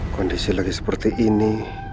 kondisi lagi seperti ini